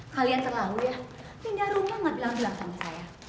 kalian terlalu ya pindah rumah gak bilang bilang sama saya